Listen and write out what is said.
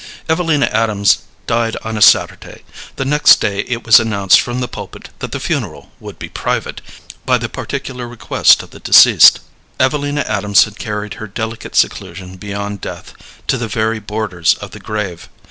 Evelina Adams died on a Saturday. The next day it was announced from the pulpit that the funeral would be private, by the particular request of the deceased. Evelina Adams had carried her delicate seclusion beyond death, to the very borders of the grave.